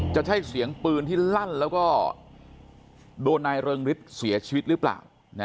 จะใช่เสียงปืนที่ลั่นแล้วก็โดนนายเริงฤทธิ์เสียชีวิตหรือเปล่า